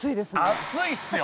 熱いっすよ